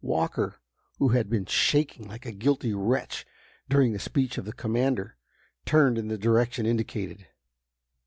Walker, who had been shaking like a guilty wretch during the speech of the commander, turned in the direction indicated.